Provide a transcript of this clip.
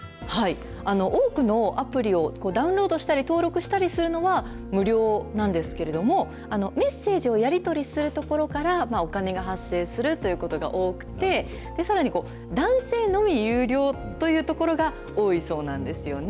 多くのアプリをダウンロードしたり、登録したりするのは無料なんですけれども、メッセージをやり取りするところからお金が発生するということが多くて、さらに男性のみ有料というところが多いそうなんですよね。